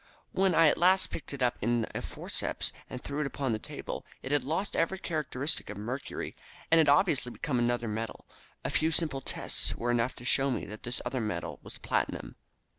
When I at last picked it up in a forceps, and threw it upon the table, it had lost every characteristic of mercury, and had obviously become another metal. A few simple tests were enough to show me that this other metal was platinum.